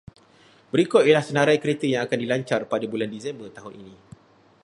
Berikut ialah senarai kereta yang akan dilancar pada bulan Disember tahun ini.